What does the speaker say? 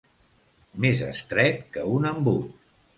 Més estret que un embut.